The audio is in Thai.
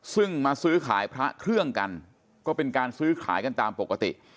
ซึ่งมาซื้อขายพระเครื่องกันก็เป็นการซื้อขายกันตามปกติ